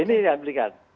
ini yang diambilkan